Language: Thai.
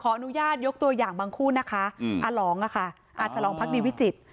ขออนุญาตยกตัวอย่างบางคู่นะคะอ่าจะลองพรรคด์ดิวิจิต